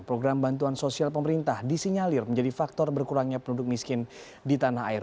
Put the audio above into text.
program bantuan sosial pemerintah disinyalir menjadi faktor berkurangnya penduduk miskin di tanah air